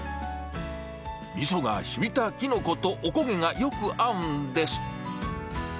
みそがしみたキノコとおこげがよく合うんです。